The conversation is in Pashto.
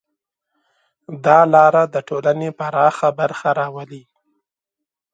دا لاره د ټولنې پراخه برخه راولي.